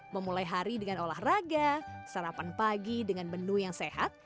memulai hari dengan olahraga sarapan pagi dengan menu yang sehat